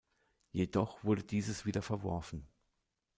Jedoch wurde dieses wieder verworfen.